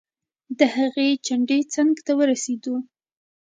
د هغې چنډې څنګ ته ورسیدو.